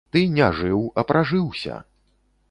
Ты не жыў, а пражыўся.